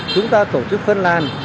chúng ta tổ chức phân làn